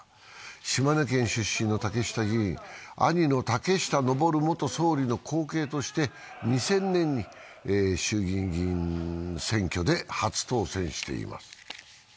島根県出身の竹下議員、兄の竹下登元総理の後継として２０００年に衆議院議員選挙で初当選しています。